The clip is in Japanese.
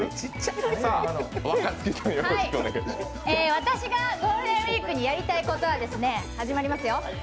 私がゴールデンウイークにやりたいことは始まりますよ。